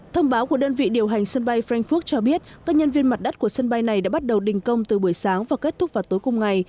thông báo của đơn vị điều hành sân bay frankfurt cho biết các nhân viên mặt đất của sân bay này đã bắt đầu đình công từ buổi sáng và kết thúc vào tối cùng ngày